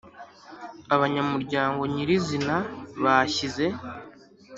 Abanyamuryango nyiri izina bashyize